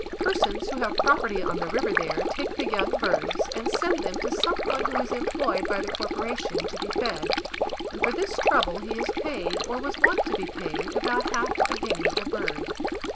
Persons who have property on the river there, take the young birds, and send them to some one who is employed by the corporation, to be fed; and for this trouble he is paid, or was wont to be paid, about half a guinea a bird.